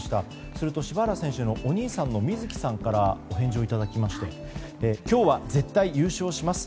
すると柴原選手のお兄さんの瑞樹さんからお返事をいただきまして今日は絶対優勝します。